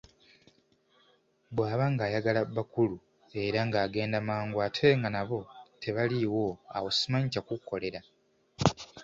Bwaba ng'ayagala bakulu era ng'agenda mangu ate nga nabo tebaliwo awo simanyi kyakukukolera.